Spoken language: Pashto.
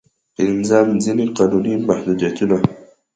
پنځم: ځينې قانوني محدودیتونه.